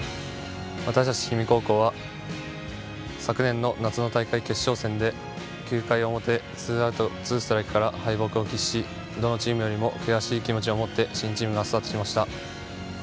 私たち氷見高校は昨年の夏の大会決勝戦で９回表ツーアウトツーストライクから敗北を喫しどのチームよりも悔しい気持ちを持って新チームがスタートしました。